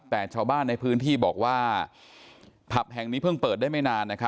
แต่ชาวบ้านในพื้นที่บอกว่าผับแห่งนี้เพิ่งเปิดได้ไม่นาน